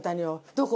どこ？